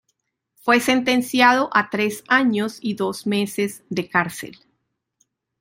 Fue sentenciado a tres años y dos meses de cárcel.